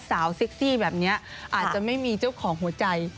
เซ็กซี่แบบนี้อาจจะไม่มีเจ้าของหัวใจ